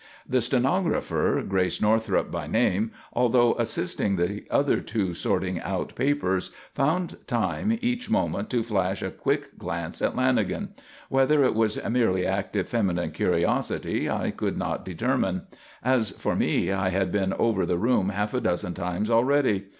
The stenographer, Grace Northrup by name, although assisting the other two sorting out papers, found time each moment to flash a quick glance at Lanagan. Whether it was merely active feminine curiosity I could not determine. As for me, I had been over the room half a dozen times already.